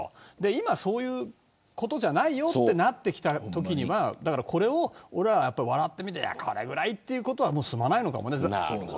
今そういうことじゃないよとなってきたときにはこれを笑って見てこれぐらいということでは済まないのかもね。